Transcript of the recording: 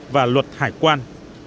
và luật hải quan